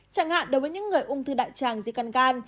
chẳng hạn đối với những người ung thư đại tràng di căn